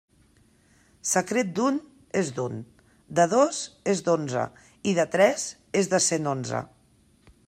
Secret d'un és d'un, de dos és d'onze, i de tres és de cent onze.